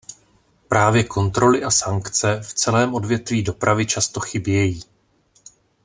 Právě kontroly a sankce v celém odvětví dopravy často chybějí.